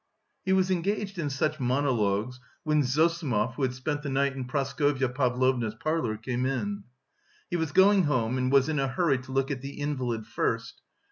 He was engaged in such monologues when Zossimov, who had spent the night in Praskovya Pavlovna's parlour, came in. He was going home and was in a hurry to look at the invalid first.